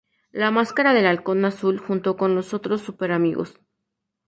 La máscara del Halcón azul junto con los otros Super Amigos.